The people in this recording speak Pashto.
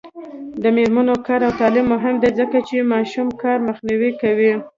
د میرمنو کار او تعلیم مهم دی ځکه چې ماشوم کار مخنیوی کوي.